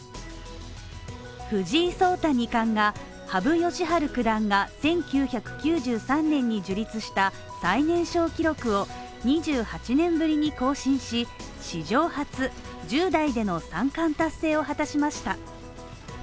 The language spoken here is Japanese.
藤井聡太二冠が羽生善治九段が１９９３年に樹立した最年少記録を２８年ぶりに更新し史上初１０代での三冠達成を果たしました。